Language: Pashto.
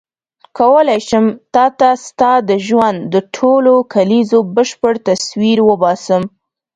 کولای شم تا ته ستا د ژوند د ټولو کلیزو بشپړ تصویر وباسم.